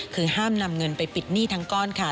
คือห้ามนำเงินไปปิดหนี้ทั้งก้อนค่ะ